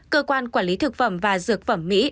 cơ quan quản lý thực phẩm và dược phẩm mỹ